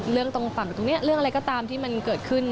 ตรงฝั่งตรงนี้เรื่องอะไรก็ตามที่มันเกิดขึ้น